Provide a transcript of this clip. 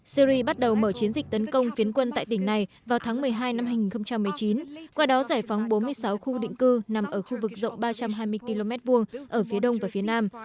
syri bắt đầu mở chiến dịch tấn công phiến quân tại tỉnh này vào tháng một mươi hai năm hai nghìn một mươi chín qua đó giải phóng bốn mươi sáu khu định cư nằm ở khu vực rộng ba trăm hai mươi km hai ở phía đông và phía nam